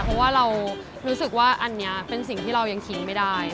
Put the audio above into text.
เพราะว่าเรารู้สึกว่าอันนี้เป็นสิ่งที่เรายังทิ้งไม่ได้